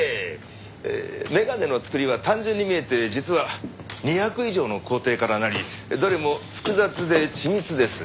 眼鏡の作りは単純に見えて実は２００以上の工程からなりどれも複雑で緻密です。